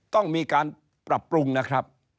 ต้องมีการปรับปรุงนะครับ